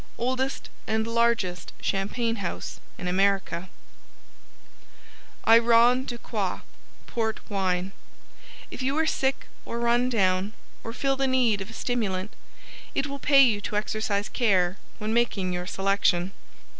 Oldest and Largest Champagne House in America I RON DE QUOIT PORT WINE If you are sick or run down, or feel the need of a stimulant, it will pay you to exercise care when making your selection.